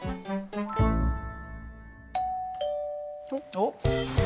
おっ。